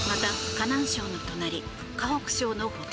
、河南省の隣河北省の保定